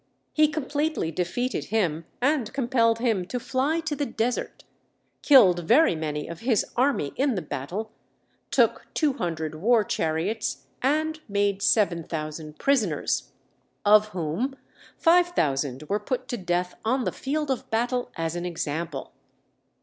He completely defeated him and compelled him to fly to the desert, killed very many of his army in the battle, took two hundred war chariots, and made seven thousand prisoners, of whom five thousand were put to death on the field of battle as an example.